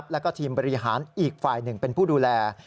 แล้วก็ทีมบริหารอีกฝ่ายหนึ่งเป็นผู้ดูแล